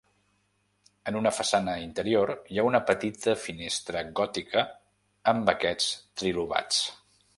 En una façana interior hi ha una petita finestra gòtica amb arquets trilobats.